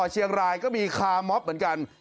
เชียงรายก็มีคาร์มอบเหมือนกัน